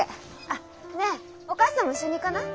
あっねえお母さんも一緒に行かない？